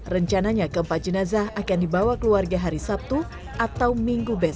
rencananya keempat jenazah akan dibawa keluarga hari sabtu atau minggu besok